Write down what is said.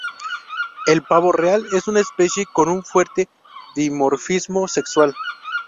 El pavo real es una especie con un fuerte dimorfismo sexual.